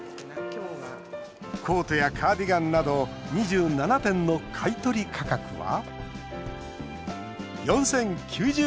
コートやカーディガンなど２７点の買い取り価格は。